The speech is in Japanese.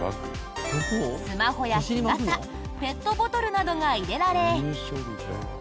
スマホや日傘ペットボトルなどが入れられ。